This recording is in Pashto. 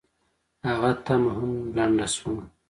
هغه تمه هم لنډه شوه.